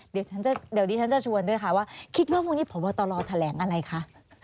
เดี๋ยวดิฉันจะชวนด้วยค่ะว่าคิดว่าพรุ่งนี้พบตรแถลงอะไรคะ